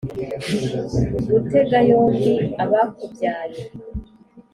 gutega yombi abakubyaye